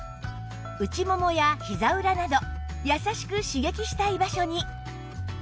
内ももやひざ裏など優しく刺激したい場所に